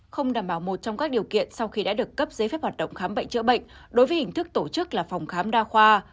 không đảm bảo một trong các điều kiện sau khi đã được cấp giấy phép hoạt động khám bệnh chữa bệnh đối với hình thức tổ chức là phòng khám đa khoa